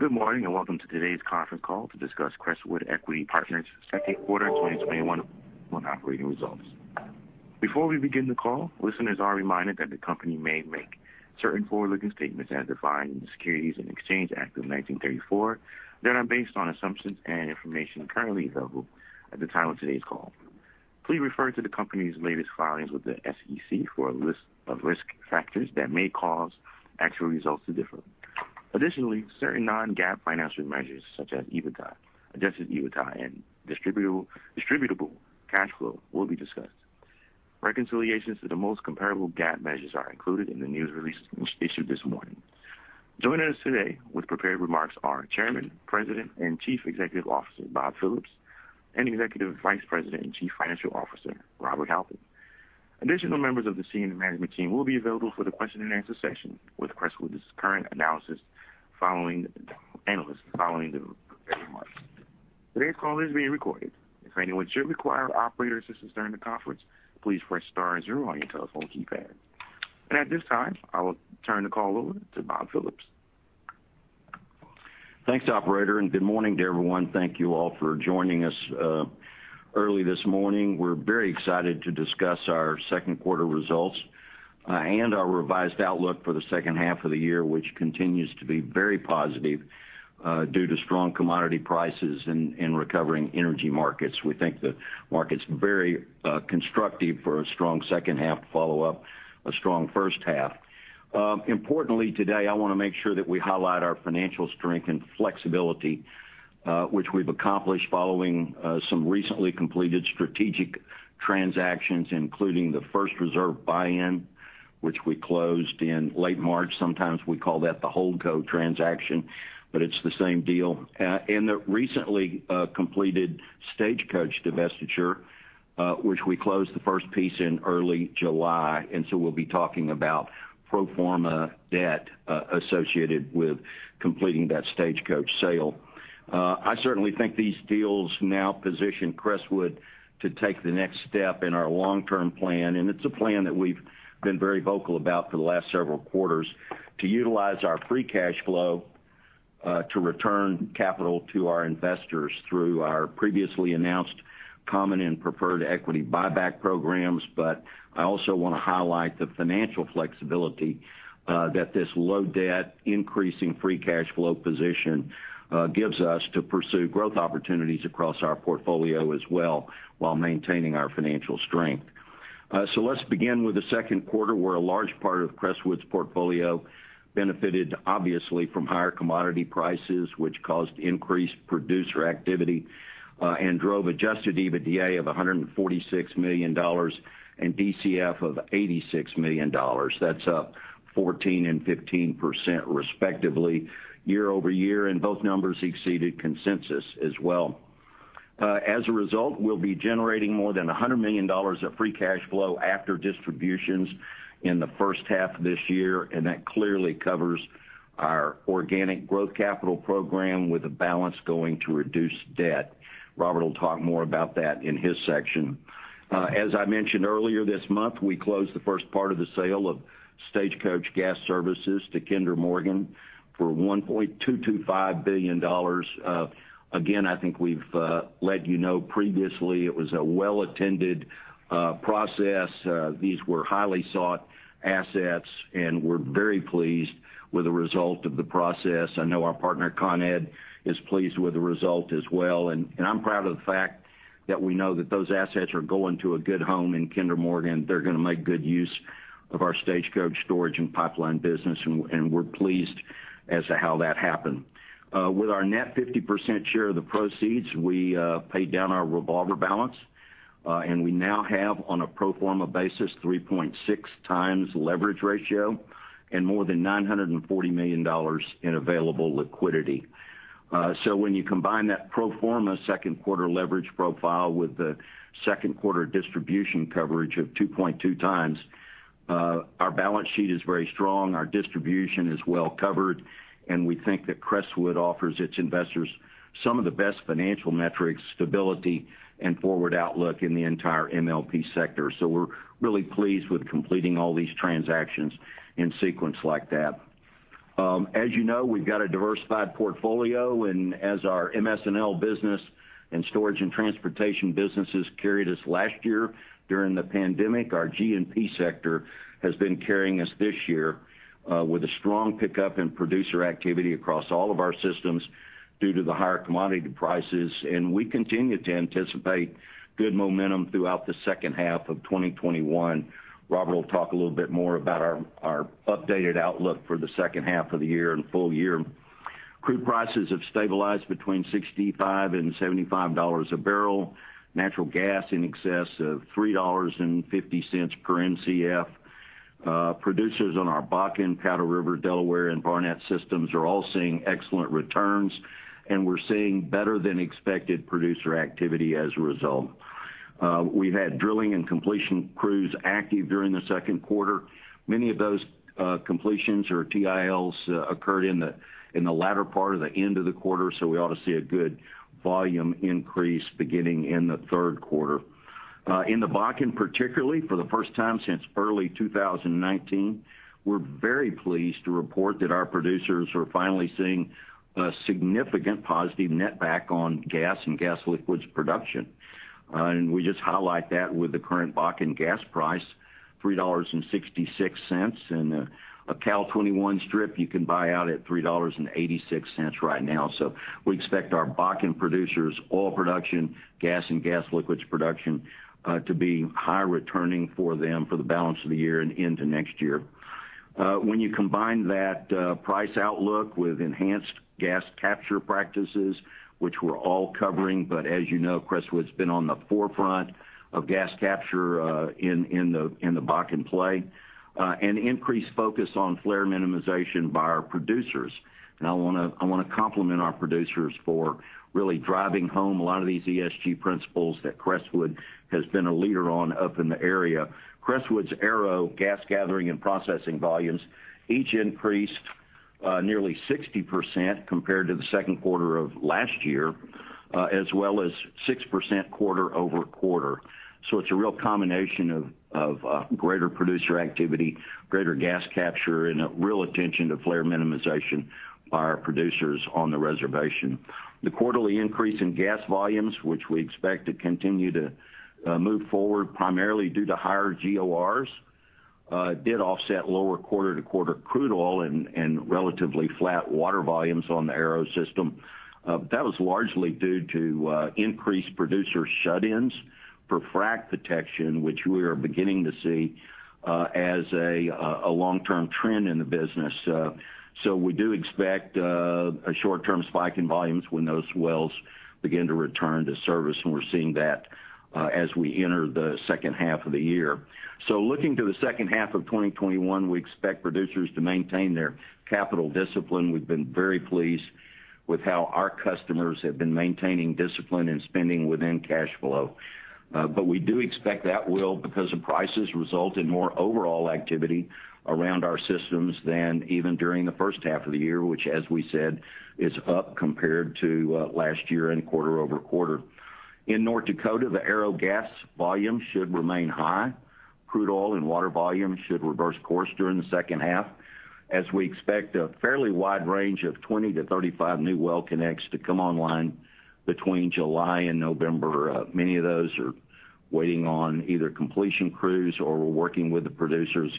Good morning, and welcome to today's conference call to discuss Crestwood Equity Partners' second quarter 2021 operating results. Before we begin the call, listeners are reminded that the company may make certain forward-looking statements as defined in the Securities Exchange Act of 1934, that are based on assumptions and information currently available at the time of today's call. Please refer to the company's latest filings with the SEC for a list of risk factors that may cause actual results to differ. Additionally, certain non-GAAP financial measures, such as EBITDA, Adjusted EBITDA, and Distributable Cash Flow will be discussed. Reconciliations to the most comparable GAAP measures are included in the news release issued this morning. Joining us today with prepared remarks are Chairman, President, and Chief Executive Officer, Bob Phillips, and Executive Vice President and Chief Financial Officer, Robert Halpin. Additional members of the senior management team will be available for the question and answer session with Crestwood's current analysts following the prepared remarks. Today's call is being recorded. If anyone should require operator assistance during the conference, please press star zero on your telephone keypad. At this time, I will turn the call over to Bob Phillips. Thanks, operator, and good morning to everyone. Thank you all for joining us early this morning. We're very excited to discuss our second quarter results and our revised outlook for the second half of the year, which continues to be very positive due to strong commodity prices and recovering energy markets. We think the market's very constructive for a strong second half to follow up a strong first half. Importantly, today, I want to make sure that we highlight our financial strength and flexibility, which we've accomplished following some recently completed strategic transactions, including the First Reserve buy-in, which we closed in late March. Sometimes we call that the Holdco transaction, but it's the same deal. The recently completed Stagecoach divestiture, which we closed the first piece in early July, we'll be talking about pro forma debt associated with completing that Stagecoach sale. I certainly think these deals now position Crestwood to take the next step in our long-term plan, and it's a plan that we've been very vocal about for the last several quarters, to utilize our free cash flow to return capital to our investors through our previously announced common and preferred equity buyback programs. I also want to highlight the financial flexibility that this low debt, increasing free cash flow position gives us to pursue growth opportunities across our portfolio as well while maintaining our financial strength. Let's begin with the second quarter, where a large part of Crestwood's portfolio benefited, obviously, from higher commodity prices, which caused increased producer activity and drove Adjusted EBITDA of $146 million and DCF of $86 million. That's up 14% and 15% respectively year-over-year, both numbers exceeded consensus as well. As a result, we'll be generating more than $100 million of free cash flow after distributions in the first half of this year. That clearly covers our organic growth capital program with the balance going to reduced debt. Robert will talk more about that in his section. As I mentioned earlier this month, we closed the first part of the sale of Stagecoach Gas Services to Kinder Morgan for $1.225 billion. I think we've let you know previously it was a well-attended process. These were highly sought assets. We're very pleased with the result of the process. I know our partner, Con Ed, is pleased with the result as well. I'm proud of the fact that we know that those assets are going to a good home in Kinder Morgan. They're going to make good use of our Stagecoach storage and pipeline business, and we're pleased as to how that happened. With our net 50% share of the proceeds, we paid down our revolver balance, and we now have, on a pro forma basis, 3.6x leverage ratio and more than $940 million in available liquidity. When you combine that pro forma second quarter leverage profile with the second quarter distribution coverage of 2.2x, our balance sheet is very strong, our distribution is well covered, and we think that Crestwood offers its investors some of the best financial metrics, stability, and forward outlook in the entire MLP sector. We're really pleased with completing all these transactions in sequence like that. As you know, we've got a diversified portfolio, and as our MS&L business and storage and transportation businesses carried us last year during the pandemic, our G&P sector has been carrying us this year with a strong pickup in producer activity across all of our systems due to the higher commodity prices, and we continue to anticipate good momentum throughout the second half of 2021. Robert will talk a little bit more about our updated outlook for the second half of the year and full-year. Crude prices have stabilized between $65 and $75 a bbl. Natural gas in excess of $3.50 per Mcf. Producers on our Bakken, Powder River, Delaware, and Barnett systems are all seeing excellent returns, and we're seeing better than expected producer activity as a result. We've had drilling and completion crews active during the second quarter. Many of those completions or TILs occurred in the latter part or the end of the quarter, so we ought to see a good volume increase beginning in the third quarter. In the Bakken particularly, for the first time since early 2019, we're very pleased to report that our producers are finally seeing a significant positive net back on gas and gas liquids production. We just highlight that with the current Bakken gas price, $3.66, and a Cal 21 strip you can buy out at $3.86 right now. We expect our Bakken producers, oil production, gas and gas liquids production, to be high returning for them for the balance of the year and into next year. When you combine that price outlook with enhanced gas capture practices, which we're all covering, but as you know, Crestwood's been on the forefront of gas capture in the Bakken play, an increased focus on flare minimization by our producers. I want to compliment our producers for really driving home a lot of these ESG principles that Crestwood has been a leader on up in the area. Crestwood's Arrow gas gathering and processing volumes each increased nearly 60% compared to the second quarter of last year, as well as 6% quarter-over-quarter. It's a real combination of greater producer activity, greater gas capture, and a real attention to flare minimization by our producers on the reservation. The quarterly increase in gas volumes, which we expect to continue to move forward primarily due to higher GORs, did offset lower quarter-to-quarter crude oil and relatively flat water volumes on the Arrow system. That was largely due to increased producer shut-ins for frack protection, which we are beginning to see as a long-term trend in the business. We do expect a short-term spike in volumes when those wells begin to return to service, and we're seeing that as we enter the second half of the year. Looking to the second half of 2021, we expect producers to maintain their capital discipline. We've been very pleased with how our customers have been maintaining discipline and spending within cash flow. We do expect that will, because of prices, result in more overall activity around our systems than even during the first half of the year, which, as we said, is up compared to last year and quarter-over-quarter. In North Dakota, the Arrow gas volume should remain high. Crude oil and water volume should reverse course during the second half, as we expect a fairly wide range of 20-35 new well connects to come online between July and November. Many of those are waiting on either completion crews or we're working with the producers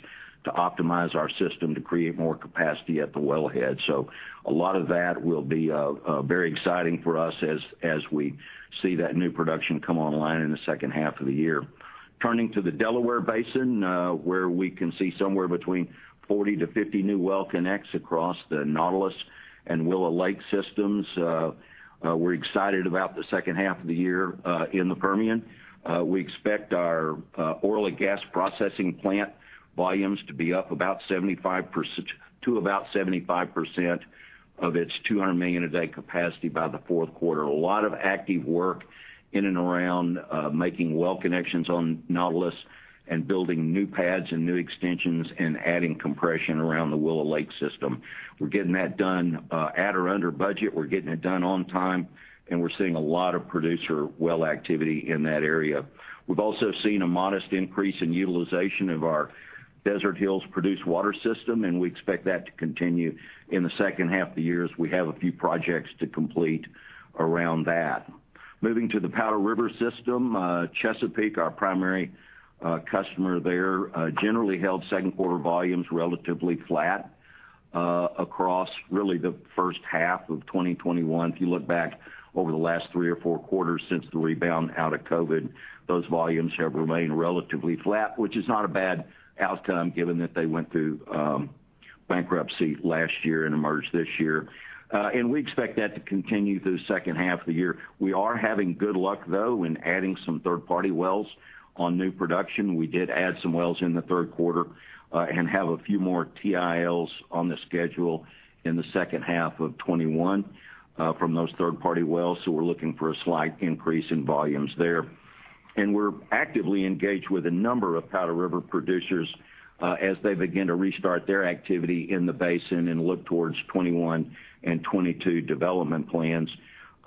to optimize our system to create more capacity at the wellhead. A lot of that will be very exciting for us as we see that new production come online in the second half of the year. Turning to the Delaware Basin, where we can see somewhere between 40 to 50 new well connects across the Nautilus and Willow Lake systems. We're excited about the second half of the year in the Permian. We expect our oil and gas processing plant volumes to be up to about 75% of its $200 million a day capacity by the fourth quarter. A lot of active work in and around making well connections on Nautilus and building new pads and new extensions and adding compression around the Willow Lake system. We're getting that done at or under budget. We're getting it done on time, and we're seeing a lot of producer well activity in that area. We've also seen a modest increase in utilization of our Desert Hills produced water system, and we expect that to continue in the second half of the year as we have a few projects to complete around that. Moving to the Powder River system, Chesapeake, our primary customer there, generally held second quarter volumes relatively flat across really the first half of 2021. If you look back over the last three or four quarters since the rebound out of COVID, those volumes have remained relatively flat, which is not a bad outcome given that they went through bankruptcy last year and emerged this year. We expect that to continue through the second half of the year. We are having good luck, though, in adding some third-party wells on new production. We did add some wells in the third quarter and have a few more TILs on the schedule in the second half of 2021 from those third-party wells, we're looking for a slight increase in volumes there. We're actively engaged with a number of Powder River producers as they begin to restart their activity in the basin and look towards 2021 and 2022 development plans.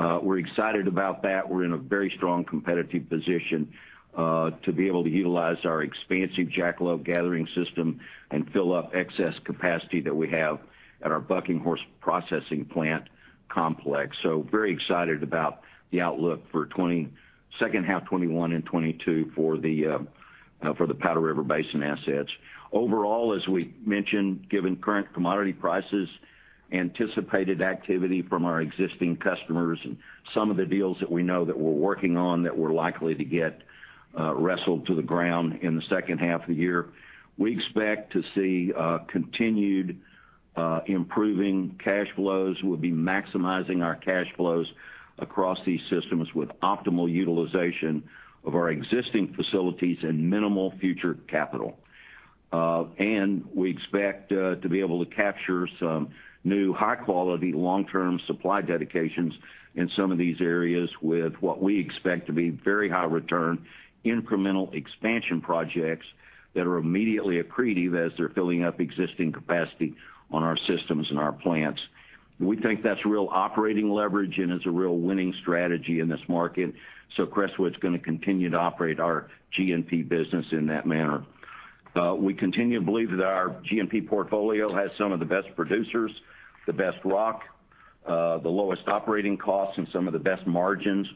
We're excited about that. We're in a very strong competitive position to be able to utilize our expansive Jackalope Gathering System and fill up excess capacity that we have at our Bucking Horse Processing Plant complex. Very excited about the outlook for second half 2021 and 2022 for the Powder River Basin assets. Overall, as we mentioned, given current commodity prices, anticipated activity from our existing customers, and some of the deals that we know that we're working on that we're likely to get wrestled to the ground in the second half of the year, we expect to see continued improving cash flows. We'll be maximizing our cash flows across these systems with optimal utilization of our existing facilities and minimal future capital. We expect to be able to capture some new high-quality, long-term supply dedications in some of these areas with what we expect to be very high return incremental expansion projects that are immediately accretive as they're filling up existing capacity on our systems and our plants. We think that's real operating leverage, and it's a real winning strategy in this market. Crestwood's going to continue to operate our G&P business in that manner. We continue to believe that our G&P portfolio has some of the best producers, the best rock, the lowest operating costs, and some of the best margins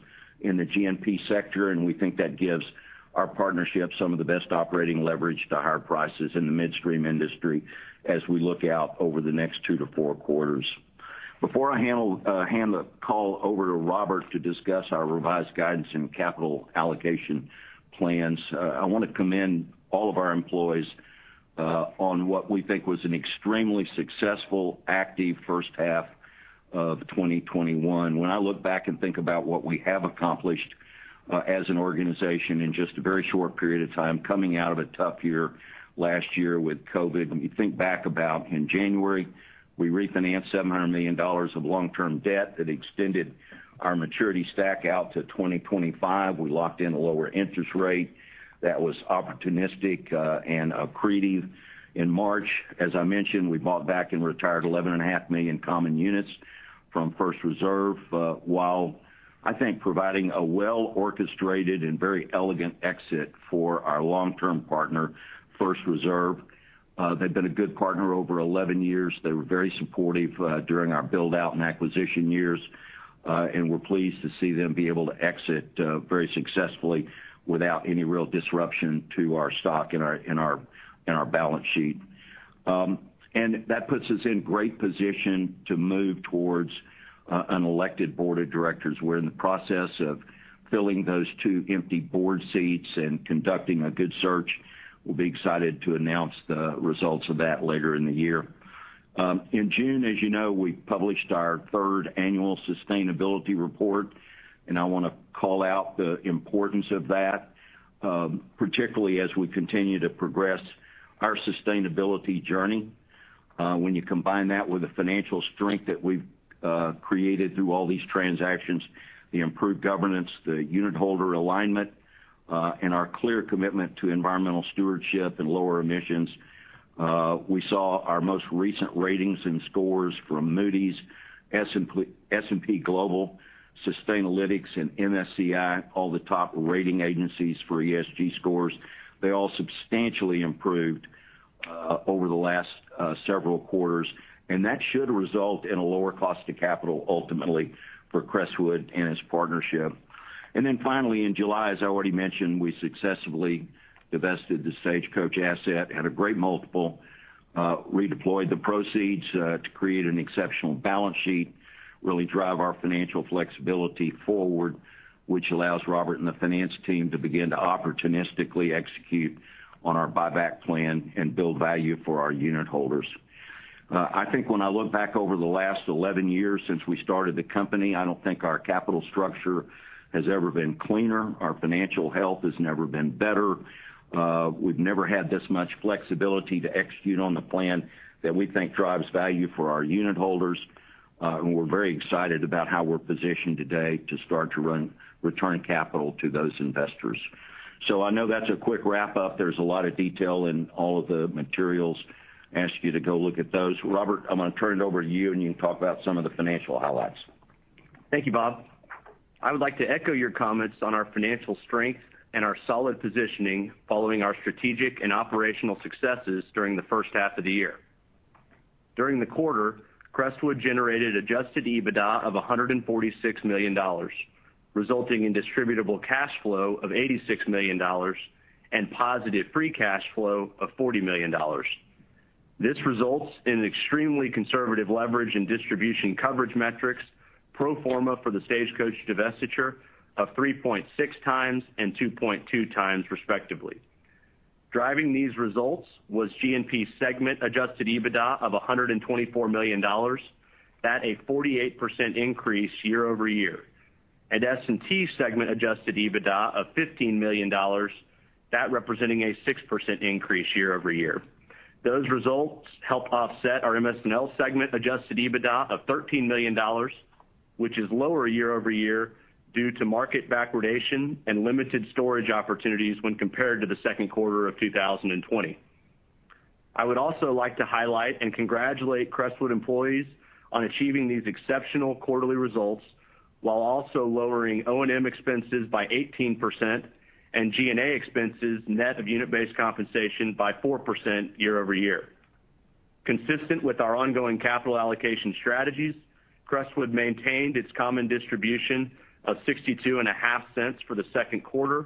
in the G&P sector. We think that gives our partnership some of the best operating leverage to higher prices in the midstream industry as we look out over the next two to four quarters. Before I hand the call over to Robert to discuss our revised guidance and capital allocation plans, I want to commend all of our employees on what we think was an extremely successful, active first half of 2021. When I look back and think about what we have accomplished as an organization in just a very short period of time coming out of a tough year last year with COVID, you think back about in January, we refinanced $700 million of long-term debt that extended our maturity stack out to 2025. We locked in a lower interest rate that was opportunistic and accretive. In March, as I mentioned, we bought back and retired 11.5 million common units from First Reserve, while I think providing a well-orchestrated and very elegant exit for our long-term partner, First Reserve. They've been a good partner over 11 years. They were very supportive during our build-out and acquisition years, and we're pleased to see them be able to exit very successfully without any real disruption to our stock and our balance sheet. That puts us in great position to move towards an elected board of directors. We're in the process of filling those two empty board seats and conducting a good search. We'll be excited to announce the results of that later in the year. In June, as you know, we published our third annual sustainability report, and I want to call out the importance of that, particularly as we continue to progress our sustainability journey. When you combine that with the financial strength that we've created through all these transactions, the improved governance, the unitholder alignment, and our clear commitment to environmental stewardship and lower emissions, we saw our most recent ratings and scores from Moody's, S&P Global, Sustainalytics, and MSCI, all the top rating agencies for ESG scores. They all substantially improved over the last several quarters, that should result in a lower cost of capital ultimately for Crestwood and its partnership. Finally, in July, as I already mentioned, we successfully divested the Stagecoach asset at a great multiple, redeployed the proceeds to create an exceptional balance sheet, really drive our financial flexibility forward, which allows Robert and the finance team to begin to opportunistically execute on our buyback plan and build value for our unitholders. I think when I look back over the last 11 years since we started the company, I don't think our capital structure has ever been cleaner. Our financial health has never been better. We've never had this much flexibility to execute on the plan that we think drives value for our unitholders. We're very excited about how we're positioned today to start to return capital to those investors. I know that's a quick wrap-up. There's a lot of detail in all of the materials. I ask you to go look at those. Robert, I'm going to turn it over to you, and you can talk about some of the financial highlights. Thank you, Bob. I would like to echo your comments on our financial strength and our solid positioning following our strategic and operational successes during the first half of the year. During the quarter, Crestwood generated Adjusted EBITDA of $146 million, resulting in Distributable Cash Flow of $86 million and positive free cash flow of $40 million. This results in extremely conservative leverage and distribution coverage metrics pro forma for the Stagecoach divestiture of 3.6 times and 2.2 times, respectively. Driving these results was G&P segment Adjusted EBITDA of $124 million, that a 48% increase year-over-year, and S&T segment Adjusted EBITDA of $15 million, that representing a 6% increase year-over-year. Those results help offset our MS&L segment Adjusted EBITDA of $13 million, which is lower year-over-year due to market backwardation and limited storage opportunities when compared to the second quarter of 2020. I would also like to highlight and congratulate Crestwood employees on achieving these exceptional quarterly results while also lowering O&M expenses by 18% and G&A expenses net of unit-based compensation by 4% year-over-year. Consistent with our ongoing capital allocation strategies, Crestwood maintained its common distribution of $0.625 for the second quarter,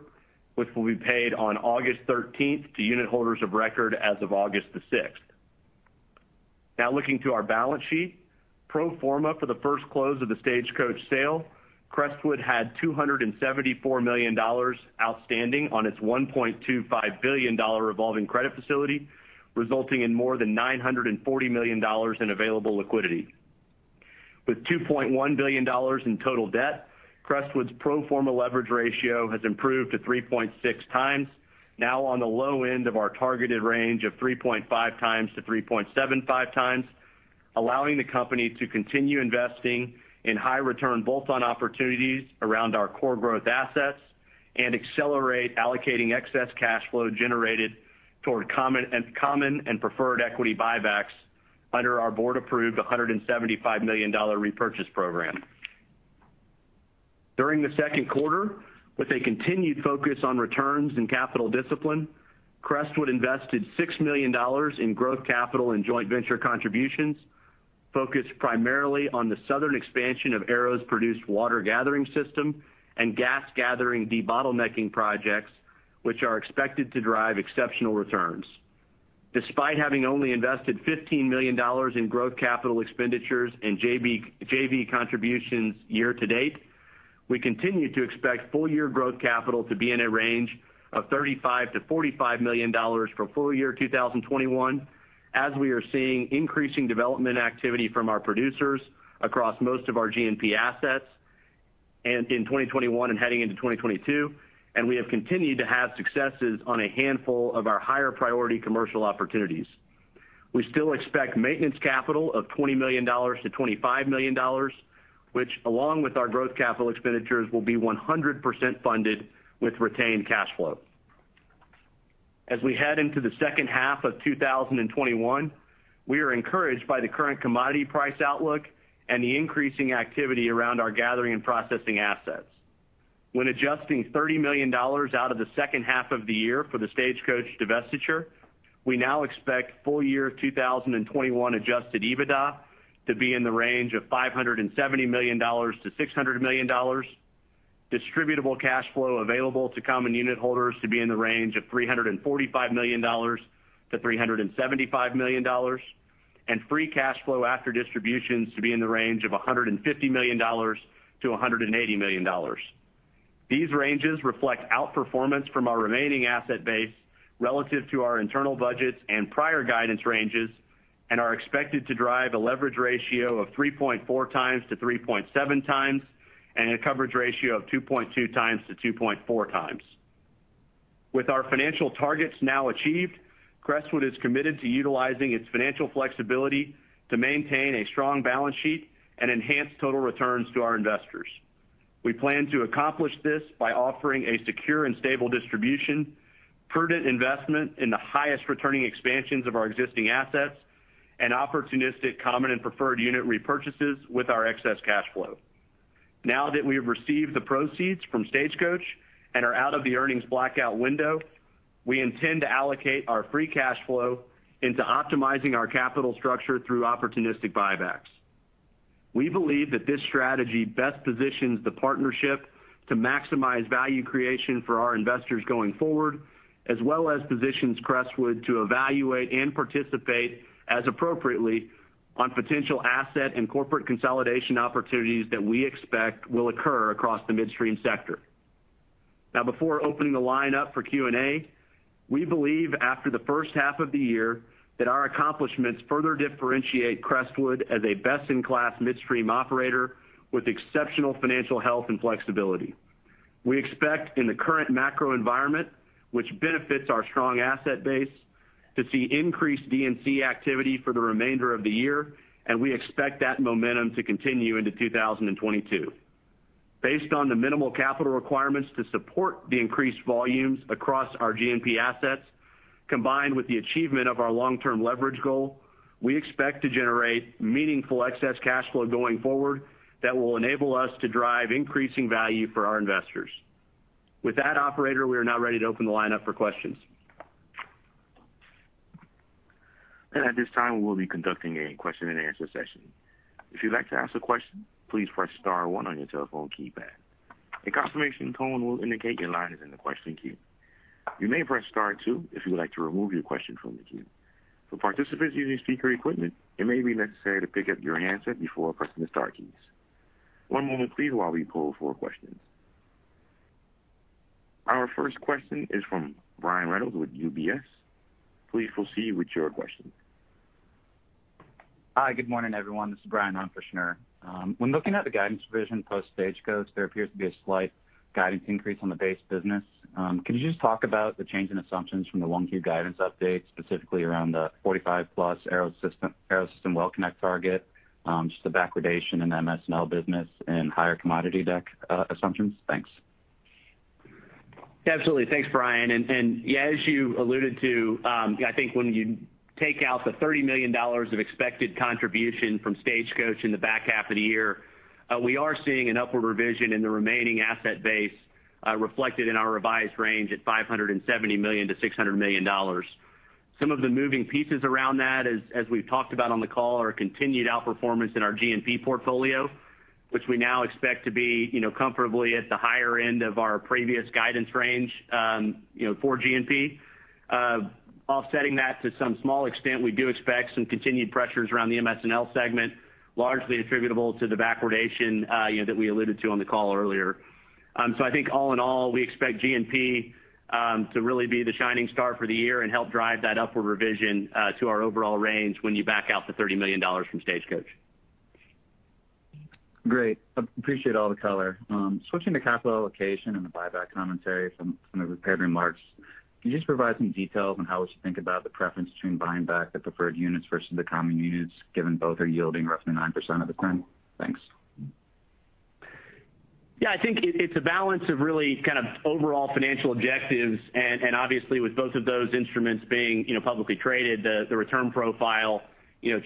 which will be paid on August 13th to unitholders of record as of August 6th. Now looking to our balance sheet. Pro forma for the first close of the Stagecoach sale, Crestwood had $274 million outstanding on its $1.25 billion revolving credit facility, resulting in more than $940 million in available liquidity. With $2.1 billion in total debt, Crestwood's pro forma leverage ratio has improved to 3.6 times, now on the low end of our targeted range of 3.5 times to 3.75 times, allowing the company to continue investing in high return, both on opportunities around our core growth assets and accelerate allocating excess cash flow generated toward common and preferred equity buybacks under our board-approved $175 million repurchase program. During the second quarter, with a continued focus on returns and capital discipline, Crestwood invested $6 million in growth capital and joint venture contributions, focused primarily on the southern expansion of Arrow's produced water gathering system and gas gathering debottlenecking projects, which are expected to drive exceptional returns. Despite having only invested $15 million in growth capital expenditures and JV contributions year to date, we continue to expect full-year growth capital to be in a range of $35 million-$45 million for full-year 2021, as we are seeing increasing development activity from our producers across most of our G&P assets in 2021 and heading into 2022, and we have continued to have successes on a handful of our higher priority commercial opportunities. We still expect maintenance capital of $20 million-$25 million, which, along with our growth capital expenditures, will be 100% funded with retained cash flow. As we head into the second half of 2021, we are encouraged by the current commodity price outlook and the increasing activity around our gathering and processing assets. When adjusting $30 million out of the second half of the year for the Stagecoach divestiture, we now expect full-year 2021 Adjusted EBITDA to be in the range of $570 million-$600 million, Distributable Cash Flow available to common unit holders to be in the range of $345 million-$375 million, and free cash flow after distributions to be in the range of $150 million-$180 million. These ranges reflect outperformance from our remaining asset base relative to our internal budgets and prior guidance ranges and are expected to drive a leverage ratio of 3.4 times-3.7 times, and a coverage ratio of 2.2 times-2.4 times. With our financial targets now achieved, Crestwood is committed to utilizing its financial flexibility to maintain a strong balance sheet and enhance total returns to our investors. We plan to accomplish this by offering a secure and stable distribution, prudent investment in the highest returning expansions of our existing assets, and opportunistic common and preferred unit repurchases with our excess cash flow. That we have received the proceeds from Stagecoach and are out of the earnings blackout window, we intend to allocate our free cash flow into optimizing our capital structure through opportunistic buybacks. We believe that this strategy best positions the partnership to maximize value creation for our investors going forward, as well as positions Crestwood to evaluate and participate as appropriately on potential asset and corporate consolidation opportunities that we expect will occur across the midstream sector. Before opening the line up for Q&A, we believe after the first half of the year that our accomplishments further differentiate Crestwood as a best-in-class midstream operator with exceptional financial health and flexibility. We expect in the current macro environment, which benefits our strong asset base, to see increased D&C activity for the remainder of the year, and we expect that momentum to continue into 2022. Based on the minimal capital requirements to support the increased volumes across our G&P assets, combined with the achievement of our long-term leverage goal, we expect to generate meaningful excess cash flow going forward that will enable us to drive increasing value for our investors. With that, operator, we are now ready to open the line up for questions. At this time, we will be conducting a question-and-answer session. If you'd like to ask a question, please press star one on your telephone keypad. A confirmation tone will indicate your line is in the question queue. You may press star two if you would like to remove your question from the queue. For participants using speaker equipment, it may be necessary to pick up your handset before pressing the star keys. One moment please while we pull for questions. Our first question is from Brian Reynolds with UBS. Please proceed with your question. Hi, good morning, everyone. This is Brian on for {Schner]. When looking at the guidance revision post Stagecoach, there appears to be a slight guidance increase on the base business. Can you just talk about the change in assumptions from the 1Q guidance update, specifically around the 45-plus Arrow system WellConnect target, just the backwardation in the MS&L business and higher commodity deck assumptions? Thanks. Yeah, absolutely. Thanks, Brian. Yeah, as you alluded to, I think when you take out the $30 million of expected contribution from Stagecoach in the back half of the year, we are seeing an upward revision in the remaining asset base, reflected in our revised range at $570 million-$600 million. Some of the moving pieces around that, as we've talked about on the call, are a continued outperformance in our G&P portfolio, which we now expect to be comfortably at the higher end of our previous guidance range for G&P. Offsetting that to some small extent, we do expect some continued pressures around the MS&L segment, largely attributable to the backwardation that we alluded to on the call earlier. I think all in all, we expect G&P to really be the shining star for the year and help drive that upward revision to our overall range when you back out the $30 million from Stagecoach. Great. Appreciate all the color. Switching to capital allocation and the buyback commentary from the prepared remarks, can you just provide some details on how we should think about the preference between buying back the preferred units versus the common units, given both are yielding roughly 9% at the current? Thanks. Yeah, I think it's a balance of really overall financial objectives. Obviously with both of those instruments being publicly traded, the return profile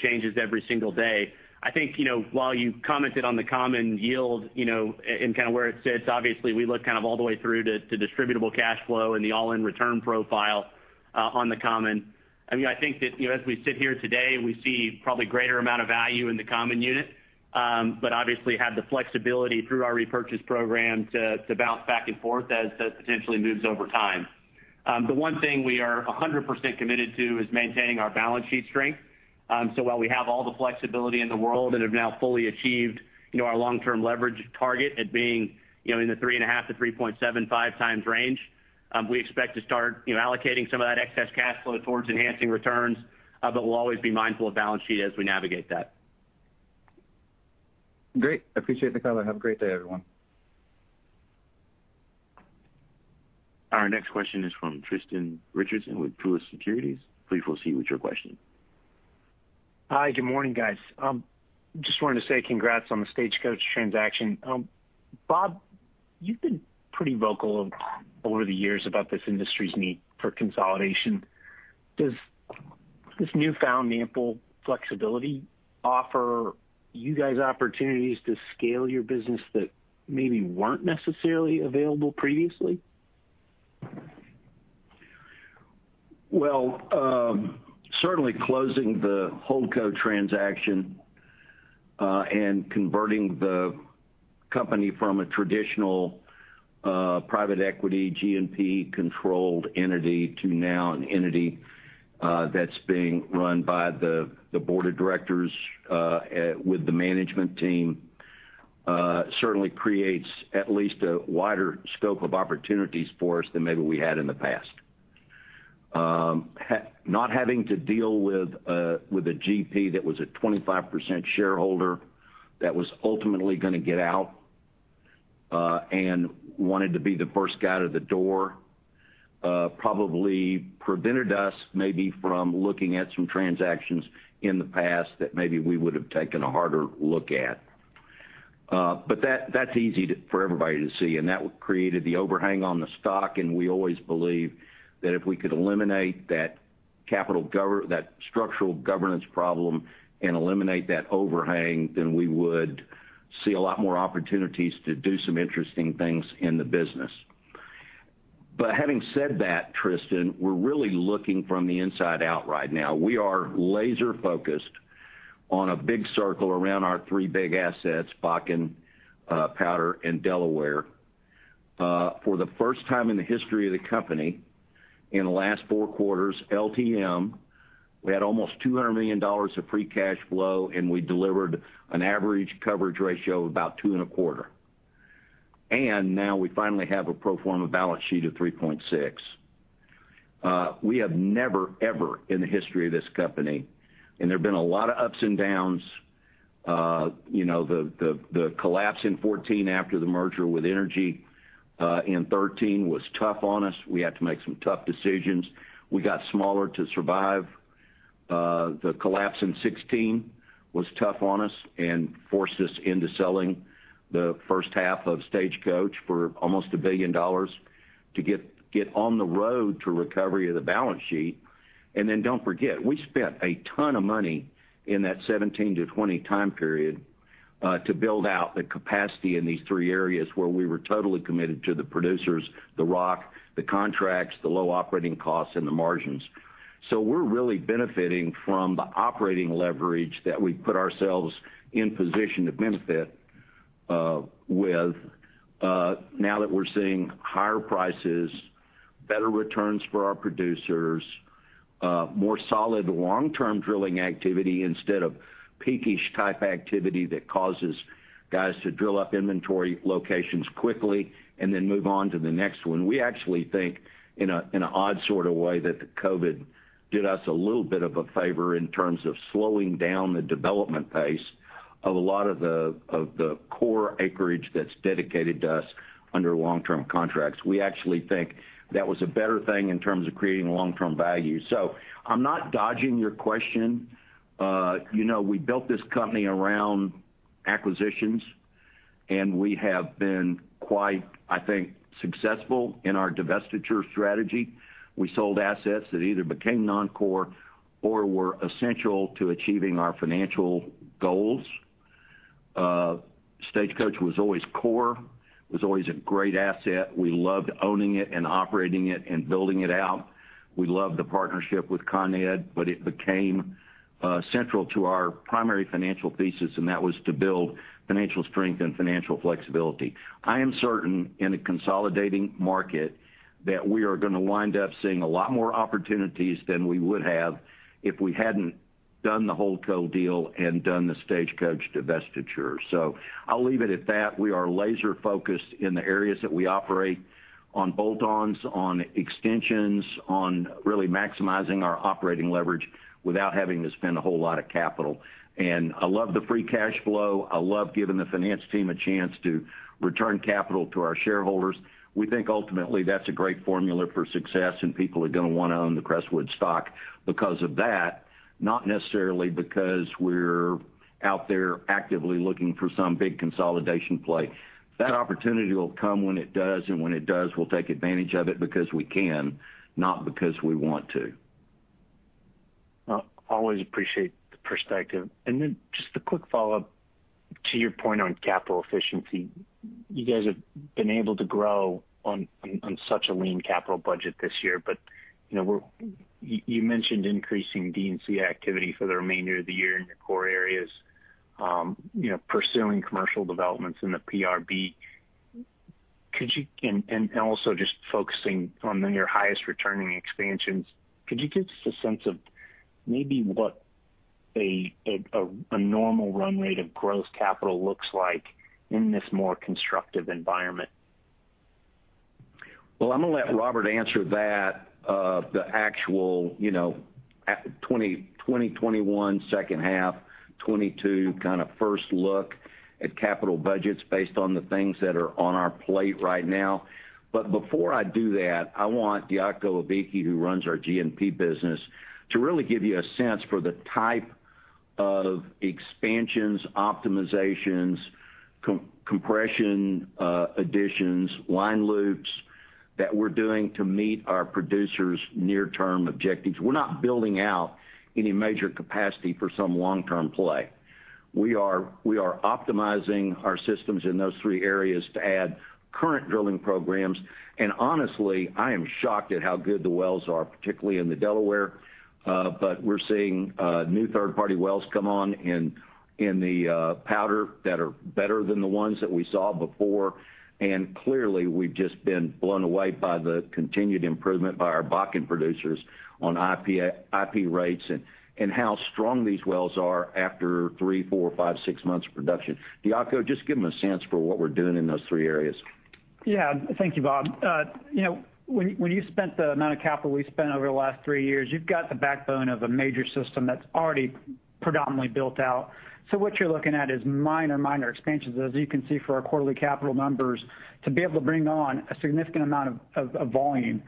changes every single day. I think, while you commented on the common yield, and where it sits, obviously we look all the way through to Distributable Cash Flow and the all-in return profile on the common. I think that as we sit here today, we see probably greater amount of value in the common unit. Obviously have the flexibility through our repurchase program to bounce back and forth as that potentially moves over time. The one thing we are 100% committed to is maintaining our balance sheet strength. While we have all the flexibility in the world and have now fully achieved our long-term leverage target at being in the 3.5-3.75 times range, we expect to start allocating some of that excess cash flow towards enhancing returns. We'll always be mindful of balance sheet as we navigate that. Great. Appreciate the color. Have a great day, everyone. Our next question is from Tristan Richardson with Truist Securities. Please proceed with your question. Hi, good morning, guys. Just wanted to say congrats on the Stagecoach transaction. Bob, you've been pretty vocal over the years about this industry's need for consolidation. Does this newfound ample flexibility offer you guys opportunities to scale your business that maybe weren't necessarily available previously? Well, certainly closing the Holdco transaction, and converting the company from a traditional private equity G&P-controlled entity to now an entity that's being run by the board of directors, with the management team, certainly creates at least a wider scope of opportunities for us than maybe we had in the past. Not having to deal with a GP that was a 25% shareholder that was ultimately going to get out, and wanted to be the first out of the door, probably prevented us maybe from looking at some transactions in the past that maybe we would've taken a harder look at. That's easy for everybody to see, and that created the overhang on the stock, and we always believed that if we could eliminate that structural governance problem and eliminate that overhang, then we would see a lot more opportunities to do some interesting things in the business. Having said that, Tristan, we're really looking from the inside out right now. We are laser-focused on a big circle around our three big assets, Bakken, Powder, and Delaware. For the first time in the history of the company, in the last four quarters, LTM, we had almost $200 million of free cash flow, and we delivered an average coverage ratio of about two and a quarter. Now we finally have a pro forma balance sheet of 3.6. We have never, ever in the history of this company, and there have been a lot of ups and downs. The collapse in 2014 after the merger with Inergy in 2013 was tough on us. We had to make some tough decisions. We got smaller to survive. The collapse in 2016 was tough on us and forced us into selling the first half of Stagecoach for almost $1 billion to get on the road to recovery of the balance sheet. Then don't forget, we spent a ton of money in that 2017 to 2020 time period, to build out the capacity in these three areas where we were totally committed to the producers, the rock, the contracts, the low operating costs, and the margins. We're really benefiting from the operating leverage that we put ourselves in position to benefit, with, now that we're seeing higher prices, better returns for our producers, more solid long-term drilling activity instead of peakish-type activity that causes guys to drill up inventory locations quickly and then move on to the next one. We actually think in an odd sort of way that the COVID did us a little bit of a favor in terms of slowing down the development pace of a lot of the core acreage that's dedicated to us under long-term contracts. We actually think that was a better thing in terms of creating long-term value. I'm not dodging your question. We built this company around acquisitions, and we have been quite, I think, successful in our divestiture strategy. We sold assets that either became non-core or were essential to achieving our financial goals. Stagecoach was always core, was always a great asset. We loved owning it and operating it and building it out. We loved the partnership with Con Ed, but it became central to our primary financial thesis, and that was to build financial strength and financial flexibility. I am certain in a consolidating market that we are going to wind up seeing a lot more opportunities than we would have if we hadn't done the Holdco deal and done the Stagecoach divestiture. I'll leave it at that. We are laser-focused in the areas that we operate on bolt-ons, on extensions, on really maximizing our operating leverage without having to spend a whole lot of capital. I love the free cash flow. I love giving the finance team a chance to return capital to our shareholders. We think ultimately that's a great formula for success, and people are going to want to own the Crestwood stock because of that, not necessarily because we're out there actively looking for some big consolidation play. That opportunity will come when it does, and when it does, we'll take advantage of it because we can, not because we want to. Well, always appreciate the perspective. Then just a quick follow-up to your point on capital efficiency. You guys have been able to grow on such a lean capital budget this year. You mentioned increasing D&C activity for the remainder of the year in your core areas, pursuing commercial developments in the PRB. Also just focusing on your highest returning expansions. Could you give us a sense of maybe what a normal run rate of gross capital looks like in this more constructive environment? Well, I'm going to let Robert answer that, the actual, 2021 second half, 2022 kind of first look at capital budgets based on the things that are on our plate right now. Before I do that, I want Diaco Aviki, who runs our G&P business, to really give you a sense for the type of expansions, optimizations, compression, additions, line loops that we're doing to meet our producers' near-term objectives. We're not building out any major capacity for some long-term play. We are optimizing our systems in those three areas to add current drilling programs. Honestly, I am shocked at how good the wells are, particularly in the Delaware. We're seeing new third-party wells come on in the Powder that are better than the ones that we saw before. Clearly, we've just been blown away by the continued improvement by our Bakken producers on IP rates and how strong these wells are after three, four, five, six months of production. Diaco, just give them a sense for what we're doing in those three areas. Yeah. Thank you, Bob. When you spent the amount of capital we spent over the last three years, you've got the backbone of a major system that's already predominantly built out. What you're looking at is minor expansions. As you can see for our quarterly capital numbers, to be able to bring on a significant amount of volume,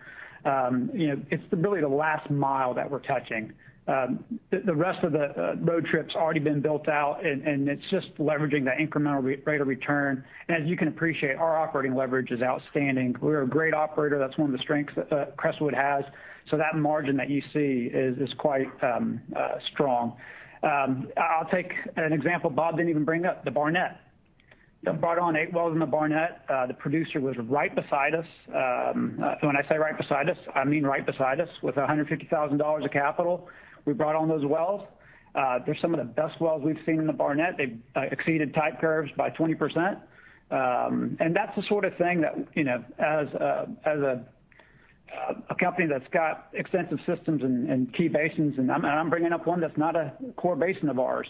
it's really the last mile that we're touching. The rest of the road trip's already been built out, and it's just leveraging the incremental rate of return. As you can appreciate, our operating leverage is outstanding. We're a great operator. That's one of the strengths that Crestwood has. That margin that you see is quite strong. I'll take an example Bob didn't even bring up, the Barnett. Brought on eight wells in the Barnett. The producer was right beside us. When I say right beside us, I mean right beside us with $150,000 of capital. We brought on those wells. They're some of the best wells we've seen in the Barnett. They've exceeded type curves by 20%. That's the sort of thing that, as a company that's got extensive systems and key basins, and I'm bringing up one that's not a core basin of ours,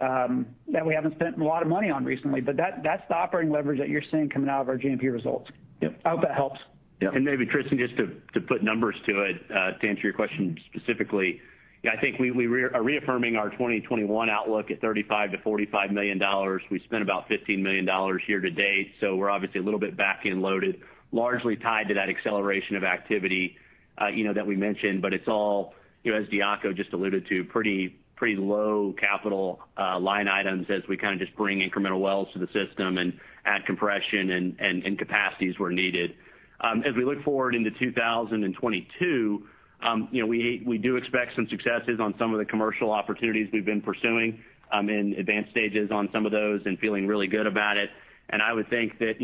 that we haven't spent a lot of money on recently. That's the operating leverage that you're seeing coming out of our G&P results. Yep. I hope that helps. Yep. Maybe, Tristan, just to put numbers to it, to answer your question specifically. Yeah, I think we are reaffirming our 2021 outlook at $35 million-$45 million. We spent about $15 million here to date. We're obviously a little bit back-end loaded, largely tied to that acceleration of activity that we mentioned. It's all, as Diaco just alluded to, pretty low capital line items as we kind of just bring incremental wells to the system and add compression and capacities where needed. As we look forward into 2022, we do expect some successes on some of the commercial opportunities we've been pursuing in advanced stages on some of those and feeling really good about it. I would think that,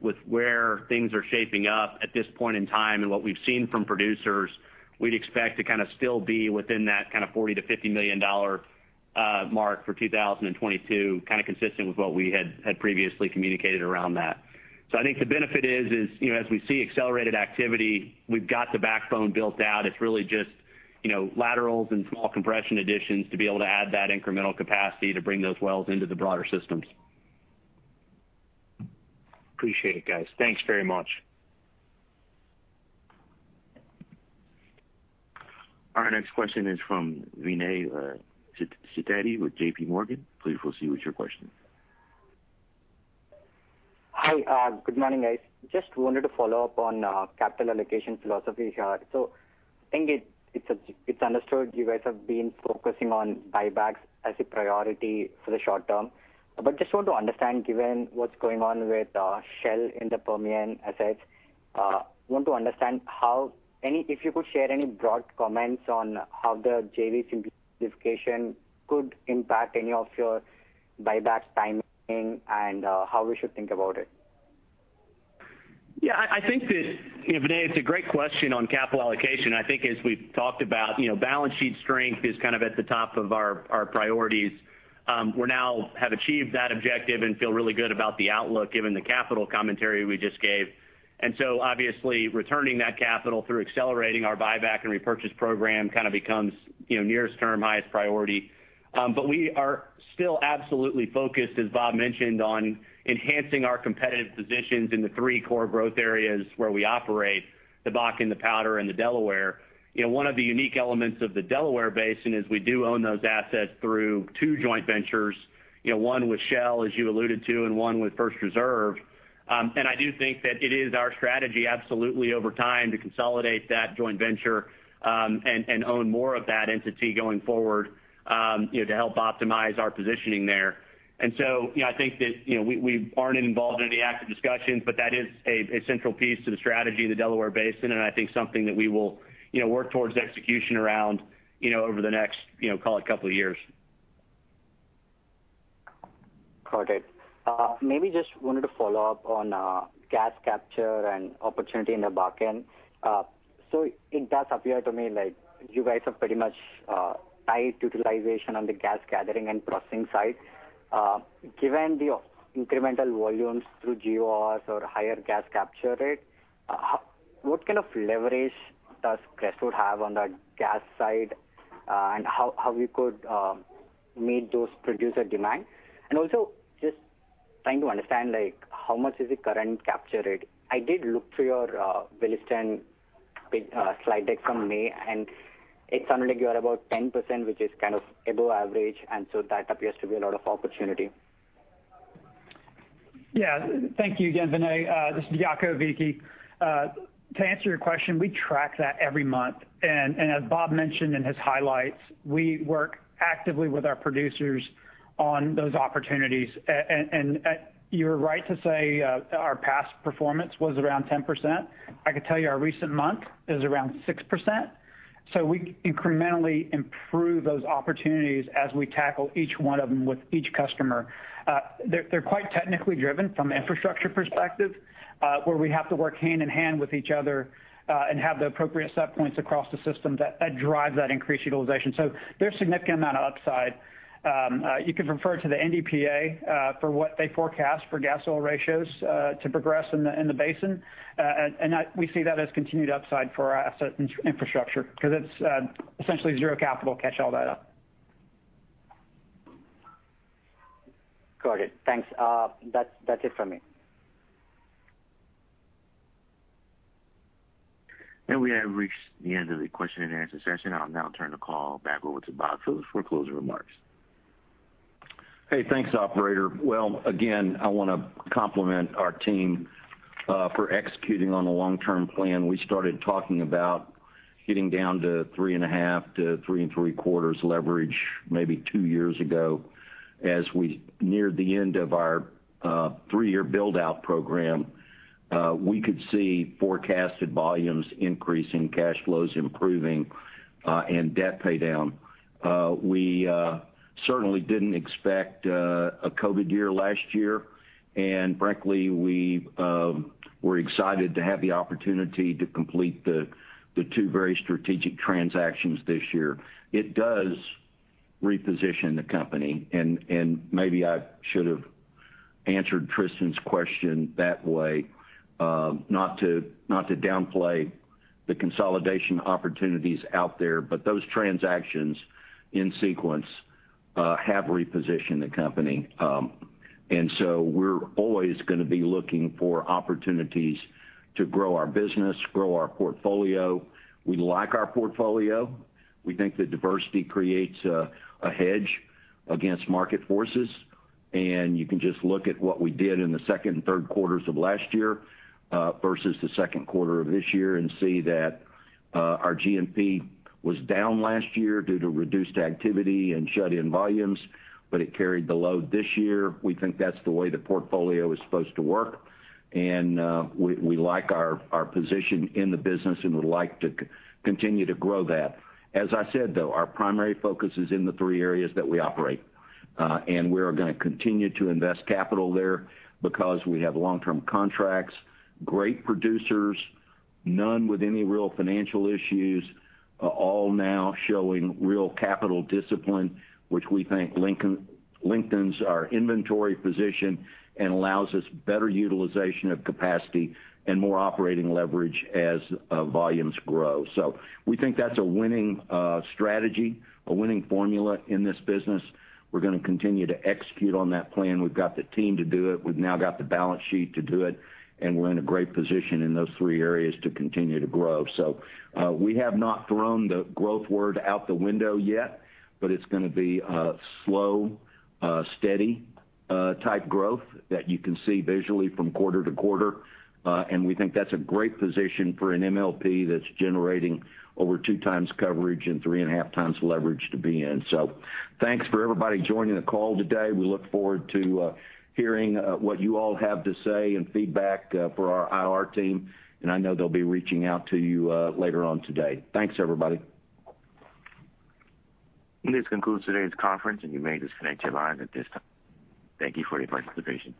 with where things are shaping up at this point in time and what we've seen from producers, we'd expect to kind of still be within that $40 million-$50 million mark for 2022, kind of consistent with what we had previously communicated around that. I think the benefit is, as we see accelerated activity, we've got the backbone built out. It's really just laterals and small compression additions to be able to add that incremental capacity to bring those wells into the broader systems. Appreciate it, guys. Thanks very much. Our next question is from [Vinay] with JPMorgan. Please proceed with your question. Hi. Good morning, guys. Just wanted to follow up on capital allocation philosophy here. I think it's understood you guys have been focusing on buybacks as a priority for the short term. Just want to understand, given what's going on with Shell in the Permian assets, want to understand if you could share any broad comments on how the JV simplification could impact any of your buyback timing and how we should think about it. [Vinay], it's a great question on capital allocation. I think as we've talked about, balance sheet strength is kind of at the top of our priorities. We now have achieved that objective and feel really good about the outlook given the capital commentary we just gave. Obviously, returning that capital through accelerating our buyback and repurchase program kind of becomes nearest term, highest priority. We are still absolutely focused, as Bob mentioned, on enhancing our competitive positions in the three core growth areas where we operate, the Bakken, the Powder, and the Delaware. One of the unique elements of the Delaware Basin is we do own those assets through two joint ventures. One with Shell, as you alluded to, and one with First Reserve. I do think that it is our strategy, absolutely, over time, to consolidate that joint venture, and own more of that entity going forward, to help optimize our positioning there. I think that we aren't involved in any active discussions, but that is a central piece to the strategy in the Delaware Basin, and I think something that we will work towards execution around, over the next call it two years. Got it. Maybe just wanted to follow up on gas capture and opportunity in the Bakken. It does appear to me like you guys have pretty much high utilization on the gas gathering and processing side. Given the incremental volumes through GORs or higher gas capture rate, what kind of leverage does Crestwood have on that gas side? How you could meet those producer demand? Also just trying to understand how much is the current capture rate. I did look through your Williston slide deck from May, it sounded like you are about 10%, which is kind of above average, that appears to be a lot of opportunity. Yeah. Thank you again, [Vinay]. This is Diaco Aviki. To answer your question, we track that every month. As Bob mentioned in his highlights, we work actively with our producers on those opportunities. You are right to say our past performance was around 10%. I could tell you our recent month is around 6%. We incrementally improve those opportunities as we tackle each one of them with each customer. They're quite technically driven from an infrastructure perspective, where we have to work hand in hand with each other, and have the appropriate set points across the system that drive that increased utilization. There's significant amount of upside. You can refer to the NDPC, for what they forecast for Gas Oil Ratios to progress in the basin. That we see that as continued upside for our assets and infrastructure because it's essentially zero capital catch all that up. Got it. Thanks. That's it from me. We have reached the end of the question and answer session. I'll now turn the call back over to Bob for those closing remarks. Thanks, operator. Well, again, I want to compliment our team for executing on the long-term plan. We started talking about getting down to 3.5 to 3.75 leverage maybe two years ago as we neared the end of our three-year build-out program. We could see forecasted volumes increasing, cash flows improving, debt pay down. We certainly didn't expect a COVID year last year, frankly, we're excited to have the opportunity to complete the two very strategic transactions this year. It does reposition the company maybe I should have answered Tristan's question that way, not to downplay the consolidation opportunities out there, but those transactions in sequence, have repositioned the company. We're always going to be looking for opportunities to grow our business, grow our portfolio. We like our portfolio. We think that diversity creates a hedge against market forces. You can just look at what we did in the second and third quarters of last year, versus the second quarter of this year and see that our G&P was down last year due to reduced activity and shut-in volumes, but it carried the load this year. We think that's the way the portfolio is supposed to work. We like our position in the business and would like to continue to grow that. As I said, though, our primary focus is in the three areas that we operate. We are going to continue to invest capital there because we have long-term contracts, great producers, none with any real financial issues, all now showing real capital discipline, which we think lengthens our inventory position and allows us better utilization of capacity and more operating leverage as volumes grow. We think that's a winning strategy, a winning formula in this business. We're going to continue to execute on that plan. We've got the team to do it. We've now got the balance sheet to do it, and we're in a great position in those three areas to continue to grow. We have not thrown the growth word out the window yet, but it's going to be a slow, steady type growth that you can see visually from quarter to quarter. We think that's a great position for an MLP that's generating over 2x coverage and 3.5x leverage to be in. Thanks for everybody joining the call today. We look forward to hearing what you all have to say and feedback for our IR team, and I know they'll be reaching out to you later on today. Thanks, everybody. This concludes today's conference, and you may disconnect your lines at this time. Thank you for your participation.